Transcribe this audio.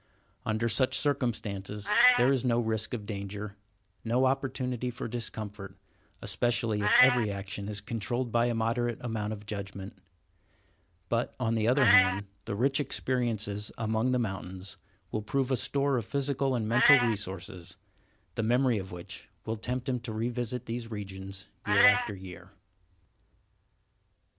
Under such circumstances there is no risk of danger, no opportunity for discomfort, especially if every action is controlled by a moderate amount of judgment; but, on the other hand, the rich experiences among the mountains will prove a store of physical and mental resources, the memory of which will tempt him to revisit these regions year after year.